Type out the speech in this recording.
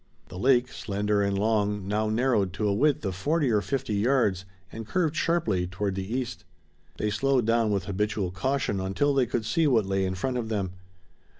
The lake, slender and long, now narrowed to a width of forty or fifty yards and curved sharply toward the east. They slowed down with habitual caution, until they could see what lay in front of them.